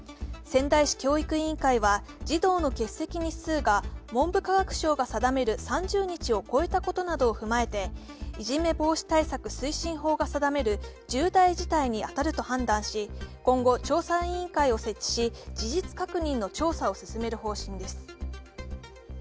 仙台市教育委員会は児童の欠席日数が文部科学省が定める３０日を超えたことなどを踏まえていじめ防止対策推進法が定める重大事態に当たると判断し、今後調査委員会を設置、事実確認の調査を進める方針です